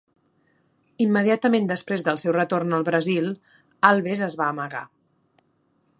Immediatament després del seu retorn al Brasil, Alves es va amagar.